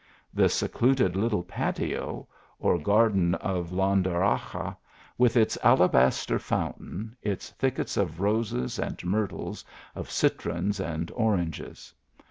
The secluded little patio or garden of Lindaraxa, with its alabaster fountain, its thickets of roses and inyitles, of citrons and oranges.